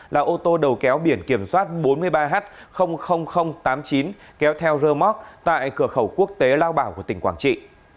là ô tô đầu kéo biển kiểm soát bốn mươi ba h tám mươi chín kéo theo rơ móc tại cửa khẩu quốc tế lao bảo của tỉnh quảng trị